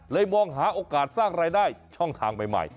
มองหาโอกาสสร้างรายได้ช่องทางใหม่